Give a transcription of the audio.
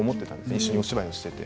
一緒にお芝居をしていて。